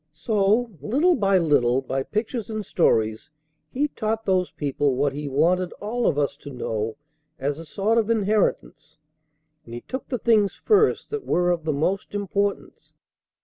So, little by little, by pictures and stories He taught those people what He wanted all of us to know as a sort of inheritance. And He took the things first that were of the most importance.